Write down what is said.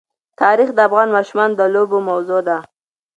تاریخ د افغان ماشومانو د لوبو موضوع ده.